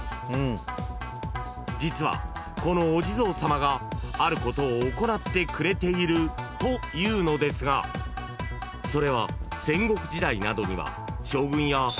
［実はこのお地蔵さまがあることを行ってくれているというのですがそれは戦国時代などには将軍や］